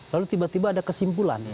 lalu tiba tiba ada kesimpulan